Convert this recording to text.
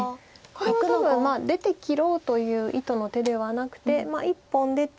これは多分出て切ろうという意図の手ではなくて１本出て。